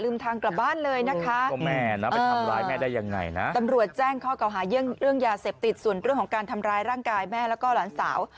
ลืมทางกลับบ้านเลยนะคะตัมรวจแจ้งข้อเข้ายุ่งแยศธิตส่วนเรื่องของการทำร้ายร่างกายแม่และล้านสาว